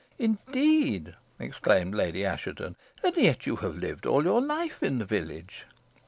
"Indeed!" exclaimed Lady Assheton; "and yet you have lived all your life in the village?"